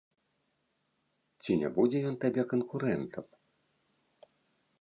Ці не будзе ён табе канкурэнтам?